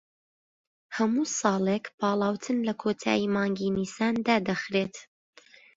هەموو ساڵێک پاڵاوتن لە کۆتایی مانگی نیسان دادەخرێت